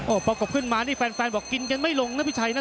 ประกบขึ้นมานี่แฟนบอกกินกันไม่ลงนะพี่ชัยนะ